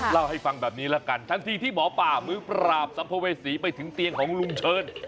เล่าให้ฟังแบบนี้ละกันทันทีที่หมอป่ามือปราบสัมภเวษีไปถึงเตียงของลุงเชิญ